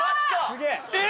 ・すげえ！